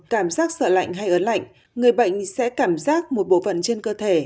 cảm giác sợ lạnh hay ớn lạnh người bệnh sẽ cảm giác một bộ phận trên cơ thể